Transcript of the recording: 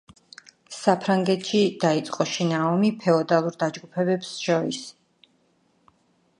საფრანგეთში დაიწყო შინაომი ფეოდალურ დაჯგუფებებს შორის.